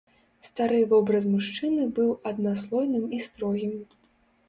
Стары вобраз мужчыны быў аднаслойным і строгім.